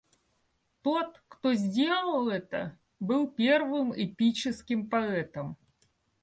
Тот, кто сделал это, был первым эпическим поэтом.